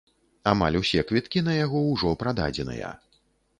Амаль усе квіткі на яго ўжо прададзеныя.